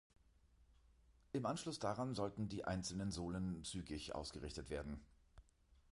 Im Anschluss daran sollten die einzelnen Sohlen zügig ausgerichtet werden.